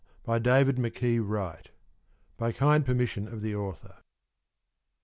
_ BY DAVID M'KEE WRIGHT. (_By kind permission of the Author.